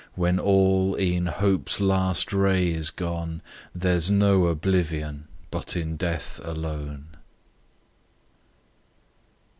when all, e'en Hope's last ray is gone, There's no oblivion but in death alone!